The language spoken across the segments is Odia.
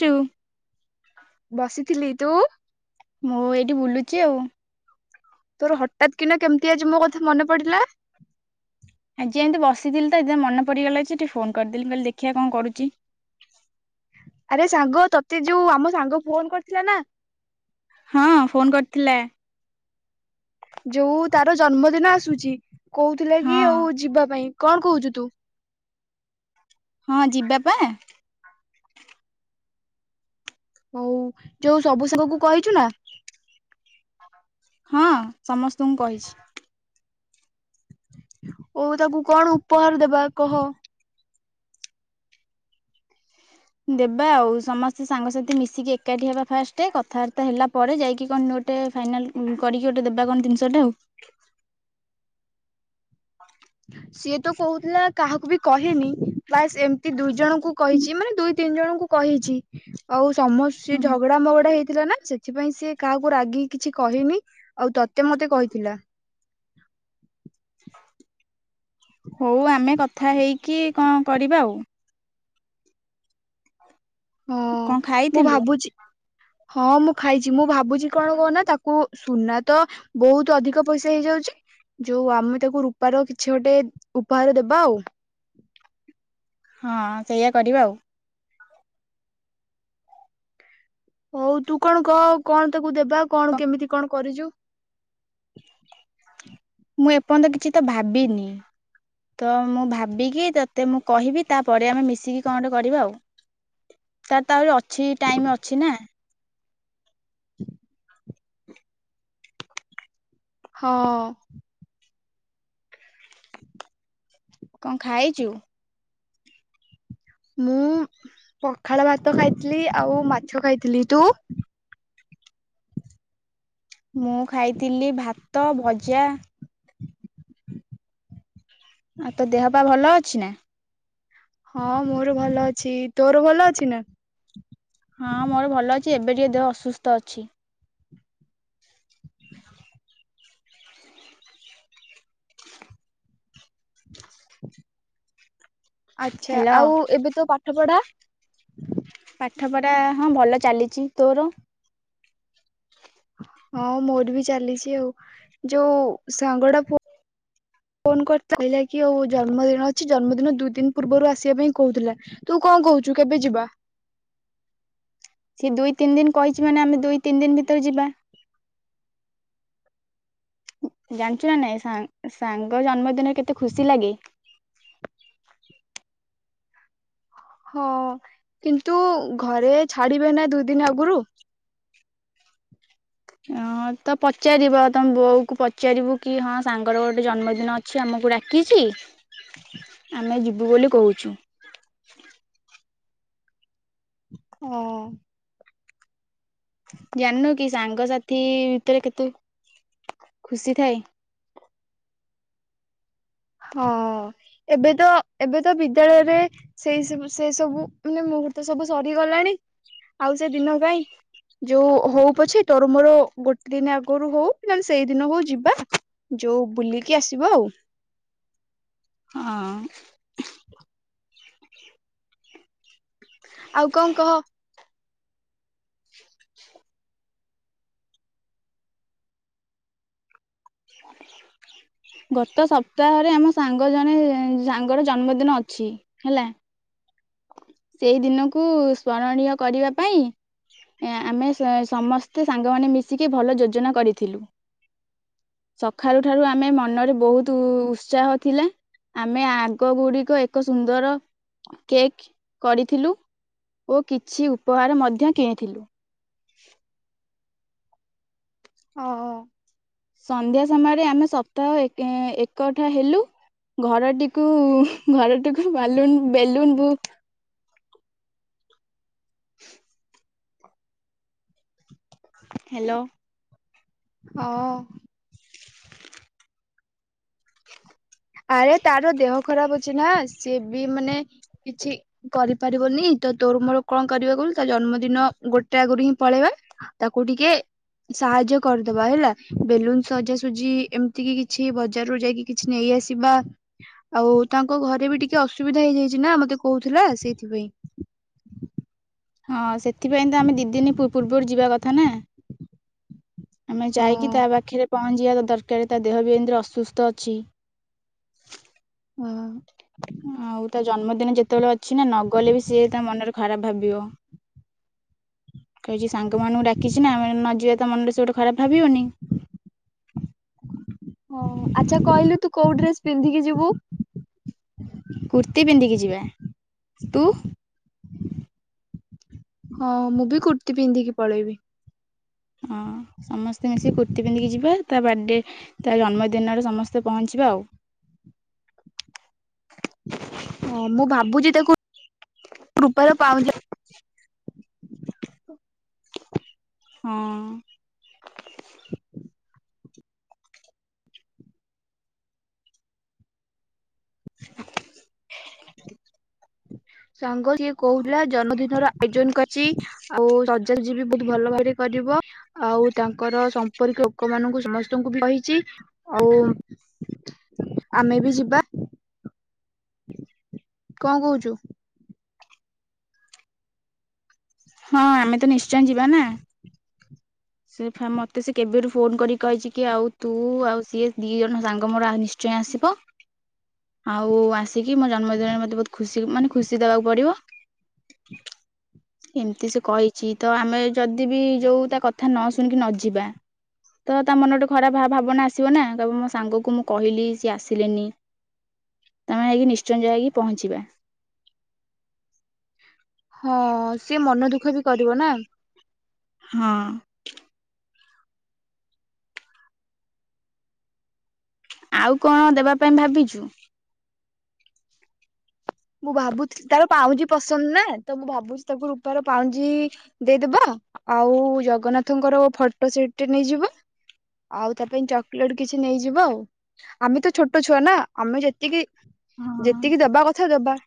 ଟୁ ବସିଥିଲି ତୁ? ମୁଁ ଏଇଠି ବୁଲୁଛି ଆଉ। ତୋର ହଠାତ୍ କିନା କେମିତି ଆଜି ମୋ କଥା ମନେ ପଡିଲା? ଆଜି ଏମିତି ବସିଥିଲି ତ ଏ ମନେ ପଡିଗଲା ଅଛି ଟିକେ ଫୋନ କରିଦେଲି କହିଲେ ଦେଖିବା କଣ କରୁଛି। ଆରେ ସାଙ୍ଗ ତୋତେ ଯୋଉ ଆମ ସାଙ୍ଗ ଫୋନ କରିଥିଲା ନା। ହଁ ଫୋନ କରିଥିଲେ। ଯୋଉ ତାର ଜନ୍ମଦିନ ଆସୁଛି। କହୁଥିଲା ହଁ କି ଆଉ ଯିବା ପାଇଁ। କଣ କହୁଛୁ ତୁ। ହଁ ଯିବା ପାଇଁ। ହଉ ଯୋଉ ସବୁ ଶବକୁ କହିଛୁ ନା। ହଁ ସମସ୍ତଙ୍କୁ କହିଛି। ଓ ତାକୁ କଣ ଉପହାର ଦେବ। ବା କହ। ଦେବା ଆଉ ସମସ୍ତେ ସାଙ୍ଗସାଥି ମିଶିକି ଏକାଠି ହେବା ଫାଷ୍ଟ କଥାବାର୍ତ୍ତା ହେଲା ପରେ ଯାଇକି କଣ ଗୋଟେ ଫାଇଲ କରି ଗବା କଣତିନିଟା ଆଉ। ସିଏ ତ କହୁଥିଲା କାହାକୁ ବି କହେନି ବାସ୍ ଏମିତି ଦୁଇ ଜଣଙ୍କୁ କହିଛି ମାନେ ଦୁଇ ତିନି ଜଣଙ୍କୁ କହିଛି ଆଉ। ସମସ୍ତେ ହୁଁ ଝଗଡା ମଗଡା ହେଇ। ଥିଲା ନା ସେଥିପାଇଁ ସିଏ କାହାକୁ ରାଗିକି କିଛି କହିନି ଆଉ ତ। ମତେ ମତେ କହିଥିଲା। ହଉ ଆମେ କଥା ହେଇକି। କି କଣ କରିବା ଆଉ। ହଁ କଣ ମୁଁ ଖାଇଥିଲୁ? ଭାବୁଛି ହଁ ମୁଁ ଖାଇଛି ମୁଁ ଭାବୁଛି କଣ କହୁନା ତାକୁ ସୁନା ତ ବହୁତ ଅଧିକ ପଇସା ହେଇଯାଉଛି ଯୋଉ ଆମେ ତାକୁ ରୂପାର କିଛି ଗୋଟେ ଉପହାର ଦେବା ଆଉ। ହଁ ସେଇଆ କରିବା ଆଉ। ହଉ ତୁ କଣ କହ କଣ ତ କୁ ଦେବା କଣ କେମିତି କଣ କରିଛୁ? ମୁଁ ଏପର୍ଯ୍ୟନ୍ତ କିଛି ତ ଭାବିନି ତ ମୁଁ ଭାବିକି ତତେ ମୁଁ କହିବି ତାପରେ ଆମେ ମିଶିକି କଣ ଗୋଟେ କରିବା ଆଉ ତାର ତ ଆହୁରି ଅଛି ଟାଇମ ଅଛି ନା। ହଁ। କଣ ଖାଇଛୁ? ମୁଁ ପଖାଳ ଭାତ ଖାଇଥିଲି ଆଉ ମାଛ ଖାଇ ଥିଲି ତୁ? ମୁଁ ଖାଇଥିଲି ଭାତ ଭଜା ଆଉ ତୋ ଦେହ ପାହା ଭଲ ଅଛି ନା? ହଁ ମୋର ଭଲ ଅଛି ତୋର ଭଲ ଅଛି ନା? ହଁ ମୋର ଭଲ ଅଛି ଏବେ ଟିକେ ଦେହ ଅସୁସ୍ଥ ଅଛି। [inaudible] ଆଚ୍ଛା ହେଲୋ। ଆଉ ଏବେ ତୋ ପାଠ ପଢା? [inaudible] ପାଠ ପଢା ହଁ ଭଲ ଚାଲିଛି ତୋର? ହଁ ମୋର ବି ଚାଲିଛି ଆଉ ଯୋଉ ସାଙ୍ଗ ଟା ଫୋନ୍ କରିଥିଲା କି କି ଆଉ ଜନ୍ମଦିନ କିଛି ଜନ୍ମଦିନ ଦୁଇ ଦିନ ପୂର୍ବରୁ ଆସିବା ପାଇଁ କହୁଥିଲା ତୁ କଣ କହୁଛୁ କେବେ ଯିବା? ସେ ଦୁଇ ତିନି ଦିନ କହିଛି ମାନେ ଆମେ ଦୁଇ ତିନି ଦିନ ଭିତରେ ଯିବା। ଜାଣିଛୁ ନା ନାଇଁ ସାଙ୍ଗ ଜନ୍ମଦିନରେ କେତେ ଖୁସି ଲାଗେ। ହଁ କିନ୍ତୁ ଘରେ ଛାଡିବେ ନା ଦୁଇ ଦିନ ଆଗରୁ। ହଁ ତ ପଚାରିବ ତମ ବୋଉକୁ ପଚାରିବୁ କି ହଁ ସାଙ୍ଗର ଗୋଟେ ଜନ୍ମଦିନ ଅଛି ଆମକୁ ଡାକିଛି ଆମେ ଯିବୁ ବୋଲି କହୁଛୁ। ହଁ। ଜାଣିନୁ କି ସାଙ୍ଗସାଥି ଭିତରେ କେତେ ଖୁସି ଥାଏ। ହଁ ଏବେ ତ ଏବେ ତ ବିଦ୍ୟାଳୟ ଏବେ ସେଇ ସବୁ ସେଇ ସବୁ ମାନେ ମୁହୂର୍ତ୍ତ ସବୁ ସରିଗଲାଣି। ଆଉ ସେ ଦିନ କାଇଁ? ଯୋଉ ହୋଉ ପଛେ ତୋର ମୋର ଗୋଟେ ଦିନ ଆଗୁରୁ ହୋଉ ନଲେ ସେଇଦିନ ହୋଉ ଯିବା ଯୋଉ ବୁଲିକି ଆସିବା ଆଉ। ହଁ। ଆଉ କଁ କହ। ଗତ ସପ୍ତାହରେ ଆମ ସାଙ୍ଗ ଜଣେ ସାଙ୍ଗର ଜନ୍ମଦିନ ଅଛି ହେଲା। ସେଇ ଦିନକୁ ସ୍ମରଣୀୟ କରିବା ପାଇଁ ଆମେ ସ ସମସ୍ତେ ସାଙ୍ଗମାନେ ମିଶିକି ଭଲ ଯୋଜନା କରିଥିଲୁ। ସଖାଳୁ ଠାରୁ ଆମେ ମନରେ ବୋହୁତୁ ଉତ୍ସାହ ଥିଲା ଆମେ ଆଗ ଗୁଡ଼ିକ ଏକ ସୁନ୍ଦର କେକ୍ କରିଥିଲୁ ଓ କିଛି ଉପହାର ମଧ୍ୟ କିଣିଥିଲୁ। ଅ ହ। ସନ୍ଧ୍ୟା ସମୟରେ ଆମେ ସପ୍ତାହ କେ ଏକଠା ହେଲୁ ଘରଟିକୁ ଘରଟିକୁ ବାଲୁନ ବେଲୁନ ବୁ [inaudible] ହ୍ୟାଲୋ। ଅ ଆରେ ତାର ଦେହ ଖରାପ ଅଛି ନାଁ ସିଏ ବି ମାନେ କିଛି କରିପାରିବନି ତ ତୋର ମୋର କଣ କରିବା କହିଲୁ ତା ଜନ୍ମଦିନ ଗୋଟେ ଆଗରୁ ହିଁ ପଳେଇବା। ତାକୁ ଟିକେ ସାହାଯ୍ୟ କରିଦବା ହେଲା ବେଲୁନ ସଜାସୁଜି ଏମତି କି କିଛି ବଜାରୁରୁ ଯାଇକି କିଛି ନେଇ ଆସି ଇବା ଆଉ ତାଙ୍କ ଘରେ ବି ଟିକେ ଅସୁବିଧା ହେଇଯାଇଚି ନାଁ ମତେ କୋହୁଥୁଲା ସେଇଥିପାଇଁ। ହଁ ସେଥିପାଇଁ ତ ଆମେ ଦି ଦିନି ପୂ ପୂର୍ବରୁ ଯିବା କଥା ନାଁ। ଆମେ ଯାଇକି ହଁ ତା ପାଖେରେ ପହଞ୍ଚିବା ଦ ଦରକାରେ ତା ଦେହ ବି ଏନ୍ତିରେ ଅସୁସ୍ଥ ଅଛି। ହଁ। ଦେନେ ଯେତୋଳେ ଅ ଛି ନାଁ ନ ଗଲେ ବି ସିଏ ତା ମନରେ ଖରାପ ଭାବିବ କହିଚି ସାଙ୍ଗ ମାନଙ୍କୁ ଡାକିଚି ନାଁ ଆମେ ନ ଯିବା ତ ମନରେ ସେ ଗୋଟେ ଖରାପ ଭାବିବନି। ହଁ ଆଚ୍ଛା କହିଲୁ ତୁ କୋଉ ଡ୍ରେସ୍ ପିନ୍ଧିକି ଯିବୁ? କୁର୍ତ୍ତିୀ ପିନ୍ଧିକି ଯିବା। ତୁ? ହଁ ମୁଁ ବି କୁର୍ତ୍ତିୀ ପିନ୍ଧିକି ପଳେଇବି। ହଁ ସମସ୍ତେ ମିଶି କୁର୍ତ୍ତୀ ପିନ୍ଧିକି ଯିବା ତା ବାଡେ ତା ଜନ୍ମଦିନରେ ସମସ୍ତେ ପହଞ୍ଚିବା ଆଉ। ହଁ ମୁଁ ଭାବୁଚି ତାକୁ ରୂପାର ପାଉଁଜି ହଁ। [inaudible] ସାଙ୍ଗ ସିଏ କହୁଥୁଲା ଜନ୍ମଦିନର ଆୟୋଜନ କରିଚି। ଆଉ ରଜରେ ଯିବି ବୋଉତ୍ ଭଲ ଭାବରେ କରିବ। ଆଉ ତାଙ୍କର ସମ୍ପର୍କୀୟ ଲୋକମାନଙ୍କୁ ସମସ୍ତଙ୍କୁ ବି କହିଚି। ଆଉ ଆମେ ବି ଯିବା। କଁ କହୁଚୁ? ହଁ ଆମେ ତ ନିଶ୍ଚୟ ଯିବା ନାଁ। ସେ ବା ମତେ ସେ କେବେଠୁ ଫୋନ କରିକି କହିଚି କି ଆଉ ତୁ ଆଉ ସିଏ ଦି ଜଣ ସାଙ୍ଗ ମୋର ଆ ନିଶ୍ଚୟ ଆସିବ। ଆଉ ଆସି ତିକି ମୋ ଜନ୍ମଦିନରେ ମତେ ବୋହୁତ ଖୁସି ଚିଲ୍ ମାନେ ଖୁସି ଦବାକୁ ପଡ଼ିବ। ଏମତି ସେ କହିଚି ତ ଆମେ ଯଦି ବି ଯୋଉ ତା କଥା ନ ଶୁଣିକି ନ ଯିବା ତ ତା ମନ ଗୋଟେ ଖରାପ ଭା ଭାବନା ଆସିବ ନାଁ। କହିବ ମୋ ସାଙ୍ଗକୁ ମୁଁ କହିଲି ସିଏ ଆସିଲେନି ତାମାନେ ହେଇକି ନିଶ୍ଚୟ ଯାଇକି ପହଞ୍ଚିବା। ହଁ ସିଏ ମନ ଦୁଃଖ ବି କରି ରିବ ନା ହଁ। ଆଉ କଣ ଦେବା ପାଇଁ ଭାବିଛୁ? ମୁଁ ଭାବୁଛିି ତାର ପାଉଁଜି ପସନ୍ଦ ନା ତ ମୁଁ ଭାବୁଛି ତାକୁ ରୂପାର ପାଉଁଜି ଦେଇଦବା ଆଉ ଜଗନ୍ନାଥଙ୍କର ଫଟୋ ସେଟ୍ ଟେ ନେଇଯିବା ଆଉ ତା ପାଇଁ ଚକୋଲେଟ କିଛି ନେଇଯିବ ଆଉ ଆମେ ତ ଛୋଟ ଛୁଆ ନା ଆମେ ଯେତିକି ହଁ ଯେତିକି ଦବା କ ଦବା। [inaudible]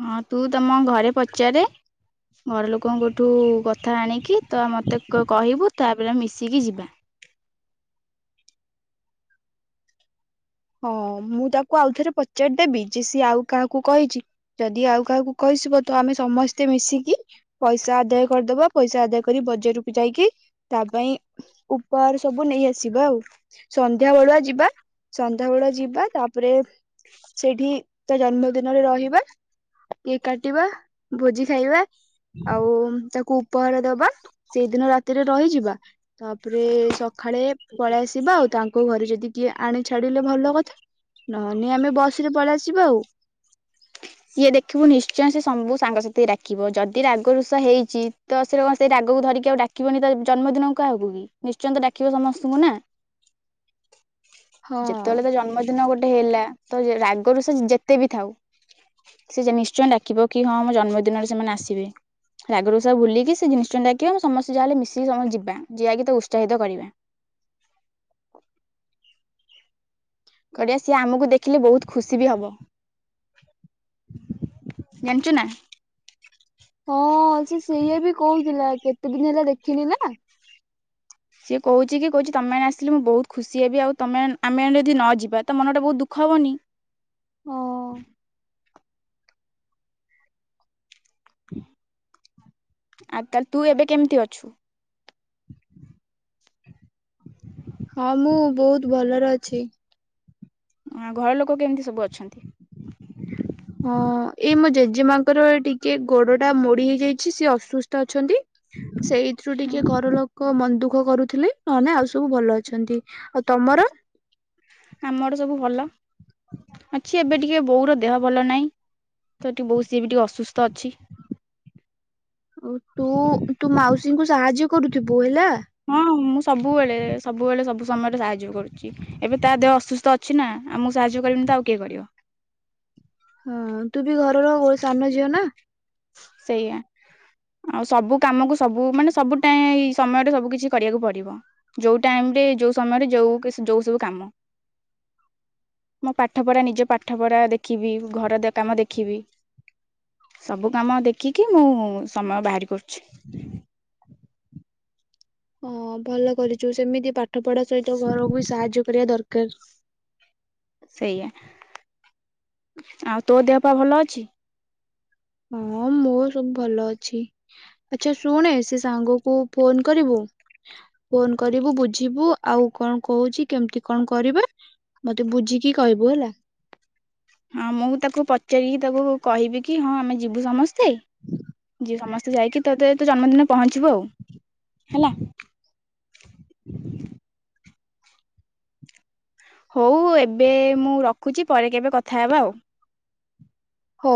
ହଁ ତୁ ତମ ଘରେ ପଚାରେ ଘର ଲୋକଙ୍କଠୁ କ ଥା ଆଣିକି ତ ମୋତେ ତୁ କହିବୁ। ତାପରେ ଆମେ ମିଶିକି ଯିବା। ହଁ ମୁଁ ତାକୁ ଆଉଥରେ ପଚାରିଦେବି ଯେ ସିଏ ଆଉ କାହାକୁ କହିଛି ଯଦି ଆଉ କାହାକୁ କହିଥିବ ତ ଆମେ ସମସ୍ତେ ମିଶିକି ପଇସା ଆଦାୟ କରିଦବା ପଇସା ଆଦାୟ କରି ବଜାରକୁ ଯାଇକି ତା ପାଇଁ ଉପହାର ସବୁ ନେଇଆସିବା ଆଉ ସନ୍ଧ୍ୟା ବେଳୁଆ ଯିବା। ସନ୍ଧ୍ୟା ବେଳୁଆ ଯିବା ତାପରେ ସେଠି ତା ଜନ୍ମଦିନରେ ରହିବା କେକ୍ କାଟିବା ଭୋଜି ଖାଇବା ଆଉ ତାକୁ ଉପହାର ଦବା ସେଇଦିନ ରାତିରେ ରହିଯିବା ତାପରେ ସଖାଳେ ପଳେଇ ଆସିବା ଆଉ ତାଙ୍କ ଘରେ ଯଦି କିଏ ଆଣି ଛାଡିଲେ ଭଲ କଥା ନହେନ ଆମେ ବସ ରେ ପଳେଇଆସିବା ଆଉ ଇଏ ଦେଖିବୁ ନିଶ୍ଚୟ ସେ ସବୁ ସାଙ୍ଗସାଥି ଡାକିବ ଯଦି ରାଗ ରୁଷା ହେଇଛି ତ ସେ କଣ ସେଇ ରାଗକୁ ଧରିକି ଆଉ ଡାକିବନି ତ ଜନ୍ମଦିନକୁ କାହାକୁ କି ନିଶ୍ଚୟ ତ ଡାକିବ ସମସ୍ତଙ୍କୁ ନା ହଁ। ଯେତେବେଳେ ତ ଜନ୍ମଦିନ ଗୋଟେ ହେଲା ତ ରାଗରୁଷା ଯେତେ ବି ଥାଉ। ସେ ଜେମି ନିଶ୍ଚୟ ଡାକିବ କି ହଁ ମୋ ଜନ୍ମଦିନରେ ସେମାନେ ଆସିବେ ରାଗରୁଷା ଭୁଲିକି ସେ ନିଶ୍ଚୟ ଡାକିବ ସମସ୍ତେ ଯାହାହଲେ ମିଶିକି ସମସ୍ତେ ଯିବା ଯାଇକି ତାକୁ ଉତ୍ସାହିତ କରିବା। କରିବା ସିଏ ଆମକୁ ଦେଖିଲେ ବହୁତ ଖୁସି ବି ହବ [inaudible] ଜାଣିଛୁ ନା? ହଁ। ସେ ସେୟା ବି କହୁଥିଲା କେତେ ଦିନ ହେଲା ଦେଖିନି ନା। ସିଏ କହୁଛି କି କହୁଛି ତମେମାନେ ଆସିଲେ ମୁଁ ବହୁତ ଖୁସି ହେବି ଆଉ ତମେ ଆମେ ମାନେ ଯଦି ନ ଯିବା ତା ମନଟା ବହୁତ ଦୁଃଖ ହବନି। [inaudible] [inaudible] ଆ ତାହେଲେ ତୁ ଏବେ କେମିତି ଅଛୁ? [inaudible] ହଁ ମୁଁ ବହୁତ ଭଲରେ ଅଛି। ଆ ଘର ଲୋକ କେମିତି ସବୁ ଅଛନ୍ତି? ହଁ ଏଇ ମୋ ଜେଜେମାଙ୍କର ଟିକେ ଗୋଡ ଟା ମୋଡି ହେଇଯାଇଛି ସିଏ ଅସୁସ୍ଥ ଅଛନ୍ତି। ସେଇଥିରୁ ଟିକେ ଘର ଲୋକ ମନଦୁ ଦୁଃଖ କରୁଥିଲେ ନହଲେ ଆଉ ସବୁ ଭଲ ଅଛନ୍ତି ଆଉ ତମର? ଆମର ସବୁ ଭଲ ଅଛି ଏବେ ଟିକେ ବୋଉର ଦେହ ଭଲ ନାହିଁ ତ ଟିକେ ବୋଉ ସିଏ ବି ଟିକେ ଅସୁସ୍ଥ ଅଛି। ତୁ ତୁ ମାଉସୀ ଙ୍କୁ ସାହାଯ୍ୟ କରୁଥିବୁ ହେଲା। ହଁ ମୁଁ ସବୁବେଳେ ସବୁବେଳେ ସବୁ ସମୟରେ ସାହାଯ୍ୟ କରୁଛି ଏବେ ତା ଦେହ ଅସୁସ୍ଥ ଅଛି ନା ଆ ମୁଁ ସାହାଯ୍ୟ କରିବିନି ତ ଆଉ କିଏ କରିବ? ହଁ ତୁ ବି ଘରର ସାନ ଝିଅ ନା। ସେଇଆ ଆଉ ସବୁ କାମକୁ ସବୁ ମାନେ ସବୁ ଟାଇ ସମୟରେ ସବୁ କିଛି କରିବାକୁ ପଡିବ ଯୋଉ ଟାଇମ ରେ ଯୋଉ ସମୟରେ ଯୋଉ ଯୋଉ ସବୁ କାମ [inaudible] ମୋ ପାଠ ପଢା ନିଜ ପାଠ ପଢା ଦେଖିବି ଘର କାମ ଦେଖିବି ସବୁ କାମ ଦେ ଖିକି ମୁଁ ସମୟ ବାହାରି କରୁଛି। ହଁ ଭଲ କରିଛୁ ସେମିତି ପାଠ ପଢା ସହିତ ଘରକୁ ସାହାଯ୍ୟ କରିବା ଦରକାର। ସେଇଆ ଆଉ ତୋ ଦେହପା ଭଲ ଅଛି? ହଁ ମୋ ସବୁ ଭଲ ଅଛି ଆଚ୍ଛା ଶୁଣେ ସେ ସାଙ୍ଗକୁ ଫୋନ କରିବୁ ଫୋନ କରିବୁ ବୁଝିବୁ ଆଉ କଣ କହୁଛି କେମିତି କଣ କରିବା ମତେ ବୁଝିକି କହିବୁ ହେଲା। ହଁ ମୁଁ ତାକୁ ପଚାରିକି ତାକୁ କହିବି କି ହଁ ଆମେ ଯିବୁ ସମସ୍ତେ ଯେ ସମସ୍ତେ ଯାଇକି ତତେ ତୋ ଜନ୍ମଦିନ ପହଞ୍ଚିବୁ ଆଉ ହେଲା। ହଉ ଏବେ ମୁଁ ରଖୁଚି ପରେ କେବେ କଥାହେବା ଆଉ। ହଉ।